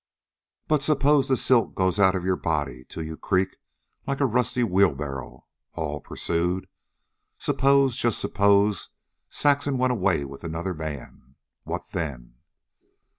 "But suppose the silk goes out of your body till you creak like a rusty wheelbarrow?" Hall pursued. "Suppose, just suppose, Saxon went away with another man. What then?"